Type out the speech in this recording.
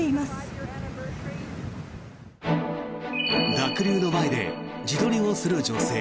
濁流の前で自撮りをする女性。